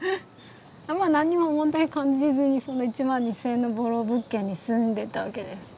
何にも問題感じずに１万２，０００円のボロ物件に住んでたわけです。